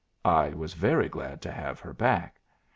I was very glad to have her back.